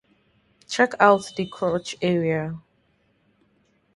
Check out the crotch area.